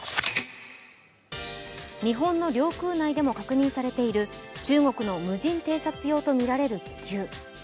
日本の領空内でも確認されている中国の無人偵察用とみられる気球。